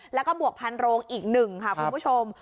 แล้วก็บวกพันโรงอีกหนึ่งค่ะคุณผู้ชม